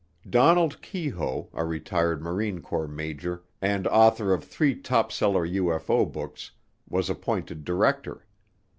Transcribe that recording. Donald Keyhoe, a retired Marine Corps Major, and author of three top seller UFO books, was appointed director.